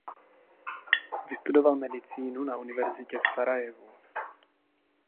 Vystudoval medicínu na Univerzitě v Sarajevu.